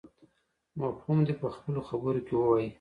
مفهوم دې په خپلو خبرو کې ووایي.